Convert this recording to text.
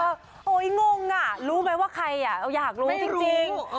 โอ้โหงงอ่ะรู้ไหมว่าใครอยากรู้จริง